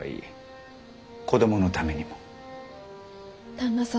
旦那様